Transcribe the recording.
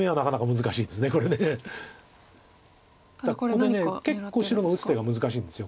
ここで結構白の打つ手が難しいんです